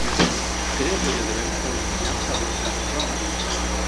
Creo que llo debemos á veciñanza destas zonas.